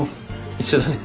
一緒だね。